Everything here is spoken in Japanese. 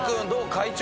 会長。